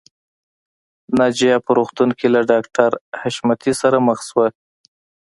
ناجیه په روغتون کې له ډاکټر حشمتي سره مخ شوه